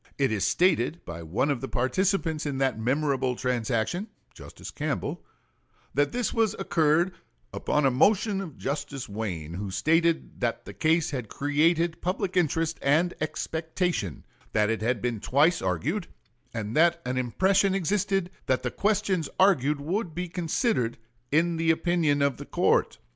It is stated by one of the participants in that memorable transaction (Justice Campbell) that this occurred "upon a motion of Mr. Justice Wayne, who stated that the case had created public interest and expectation, that it had been twice argued, and that an impression existed that the questions argued would be considered in the opinion of the court."